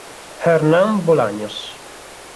Hernán Bolaños